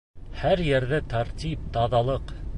Һәр ерҙә тәртип, таҙалыҡ.